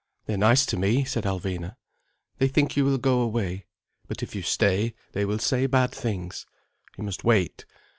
"They are nice to me," said Alvina. "They think you will go away. But if you stay, they will say bad things. You must wait.